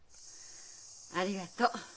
ありがとう。